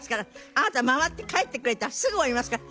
あなた回って帰ってくれたらすぐ降りますから。